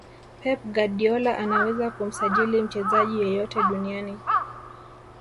pep guardiola anaweza kumsajili mchezaji yeyote duniani